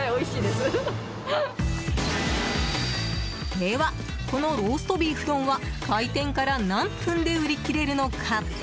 では、このローストビーフ丼は開店から何分で売り切れるのか？